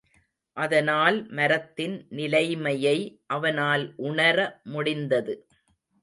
அதனால் மரத்தின் நிலைமையை அவனால் உணர முடிந்தது.